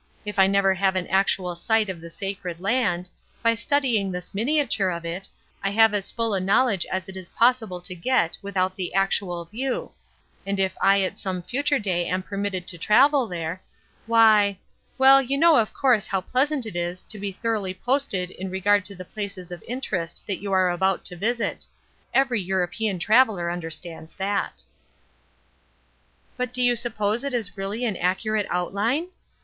If I never have an actual sight of the sacred land, by studying this miniature of it, I have as full a knowledge as it is possible to get without the actual view, and if I at some future day am permitted to travel there, why well, you know of course how pleasant it is to be thoroughly posted in regard to the places of interest that you are about to visit; every European traveler understands that." "But do you suppose it is really an accurate outline?"